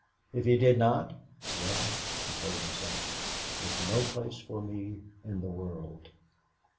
If he did not "Well," he told himself, "there's no place for me in the world."